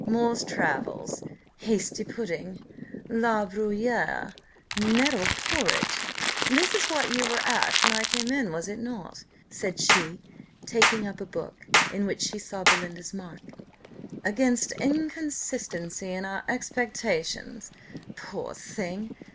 Moore's Travels hasty pudding! La Bruyère nettle porridge! This is what you were at when I came in, was it not?" said she, taking up a book in which she saw Belinda's mark: "Against Inconsistency in our Expectations. Poor thing!